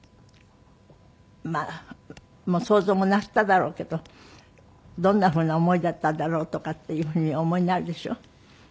まあもう想像もなすっただろうけどどんな風な思いだったんだろうとかっていう風にお思いになるでしょ？